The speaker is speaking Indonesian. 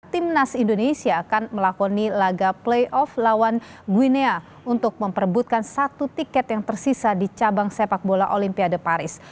timnas indonesia akan melakoni laga playoff lawan gwinea untuk memperebutkan satu tiket yang tersisa di cabang sepak bola olimpiade paris